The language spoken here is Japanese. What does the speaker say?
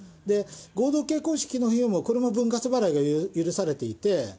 合同結婚式の費用もこれも分割払いが許されていて。